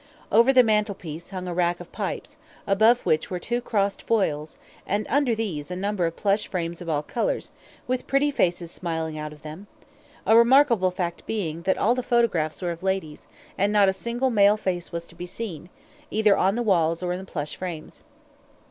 Over the mantelpiece hung a rack of pipes, above which were two crossed foils, and under these a number of plush frames of all colours, with pretty faces smiling out of them; a remarkable fact being, that all the photographs were of ladies, and not a single male face was to be seen, either on the walls or in the plush frames.